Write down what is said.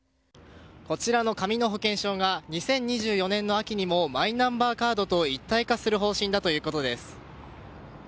こちらの紙の保険証が２０２４年の秋にもマイナンバーカードと一体化する方針だということです。